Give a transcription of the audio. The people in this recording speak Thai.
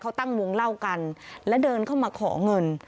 เขาตั้งวงเล่ากันและเดินเข้ามาขอเงิน